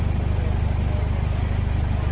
กำรวจ